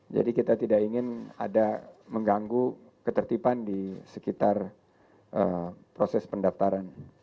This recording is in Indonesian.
jadi kita tidak ingin ada mengganggu ketertiban di sekitar proses pendaftaran